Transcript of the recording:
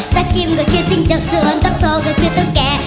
จากกิ้มก็คือจริงจากส่วนตกก็คือตุ๊กแก